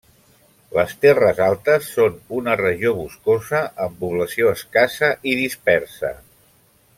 Les terres altes són una regió boscosa, amb població escassa i dispersa.